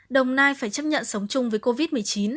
đồng nai phải chấp nhận sống chung với covid một mươi chín